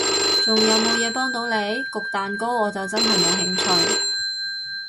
仲有無嘢幫到你？焗蛋糕我就真係冇興趣